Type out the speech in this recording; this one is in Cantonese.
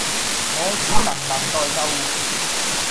我只能能待救援